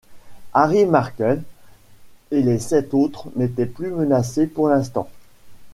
Harry Markel et les sept autres n’étaient plus menacés pour l’instant.